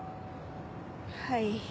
はい。